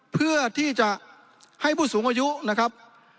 เพื่อที่จะให้ผู้สูงอายุนะครับ